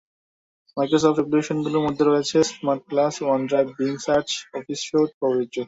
মাইক্রোসফটের অ্যাপ্লিকেশনগুলোর মধ্যে রয়েছে smart glass, one drive, Bing search, office suite প্রভৃতি।